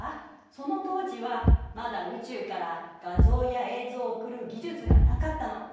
その当時はまだ宇宙から画像や映像を送る技術がなかったの。